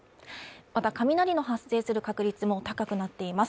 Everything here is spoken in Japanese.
また雷の発生する確率も高くなっています。